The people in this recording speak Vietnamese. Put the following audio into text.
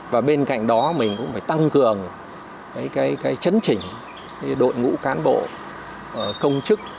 và bên cạnh đó mình cũng phải tăng cường chấn chỉnh đội ngũ cán bộ công chức